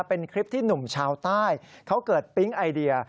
เป็นคลิปที่หนุ่มชาวใต้เขาเกิดปิ๊งไอเดีย